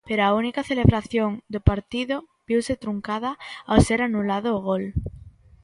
Pero a única celebración do partido viuse truncada ao ser anulado o gol.